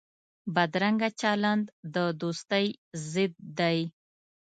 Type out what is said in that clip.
بدرنګه چلند د دوستۍ ضد دی